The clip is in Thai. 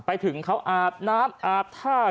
ไปถึงเขาอาบน้ำอาบท่า